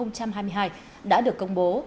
năm hai nghìn hai mươi hai đã được công bố